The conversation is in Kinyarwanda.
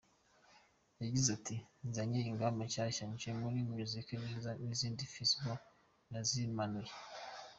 Yagize ati “Nzanye ingamba nshyashya nje muri music neza izindi fisible nazimanuye.